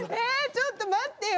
ちょっと待ってよ。